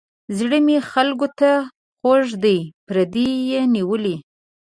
زړه مې خلکو ته خوږ دی پردي یې نیولي.